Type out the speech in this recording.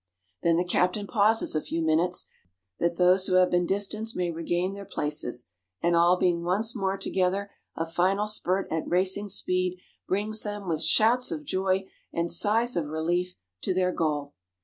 Then the captain pauses a few minutes, that those who have been distanced may regain their places; and all being once more together, a final spurt at racing speed brings them, with shouts of joy and sighs of relief, to their goal.